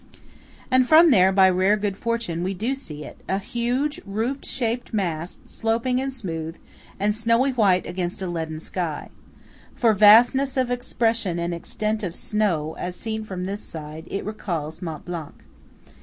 And from there, by rare good fortune, we do see it–a huge, roof shaped mass, sloping, and smooth, and snowy white against a leaden sky. For vastness of expression and extent of snow, as seen from this side, it recalls Mont Blanc.